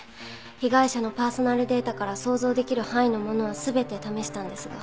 被害者のパーソナルデータから想像できる範囲のものは全て試したんですが。